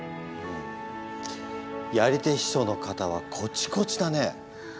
やり手秘書の肩はコチコチだね！